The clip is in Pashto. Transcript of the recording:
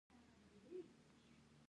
منظور پښتون پښتانه فکري بيدار کړل.